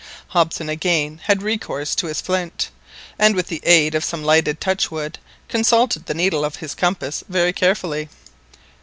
Hobson again had recourse to his flint, and with the aid of some lighted touchwood consulted the needle of his compass very carefully.